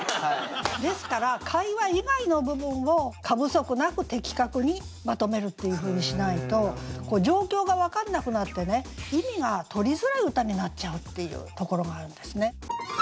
ですから会話以外の部分を過不足なく的確にまとめるっていうふうにしないと状況が分かんなくなってね意味がとりづらい歌になっちゃうっていうところがあるんですね。